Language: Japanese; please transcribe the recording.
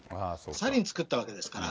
サリン作ったわけですから。